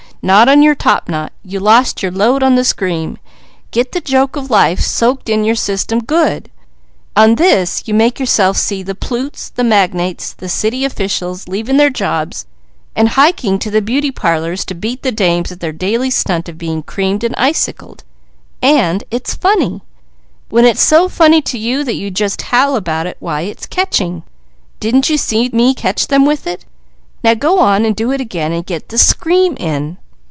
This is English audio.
Not on your topknot! You lost your load on the scream. Get the joke of life soaked in your system good. On this, you make yourself see the plutes, and the magnates, and the city officials leaving their jobs, and hiking to the beauty parlours, to beat the dames at their daily stunt of being creamed and icicled and it's funny! When it's so funny to you that you just howl about it, why it's catching! Didn't you see me catch them with it? Now go on and do it again, and get the scream in."